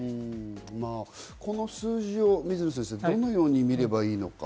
この数字を水野先生、どのように見ればいいのか。